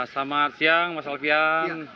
selamat siang mas alviang